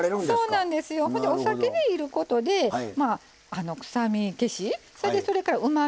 それでお酒でいることでまあ臭み消しそれでそれからうまみ足し